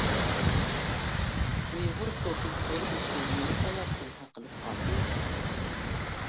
ئۇيغۇرسوفت تور بېتى نېمە سەۋەبتىن تاقىلىپ قالدى؟